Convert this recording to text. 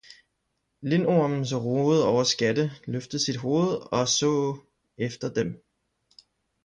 Lindormen, som rugede over Skatte, løftede sit Hoved og saae efter dem.